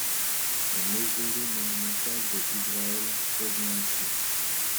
Le mausolée monumental de Izrael Poznański.